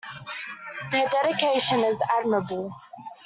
Their dedication is admirable.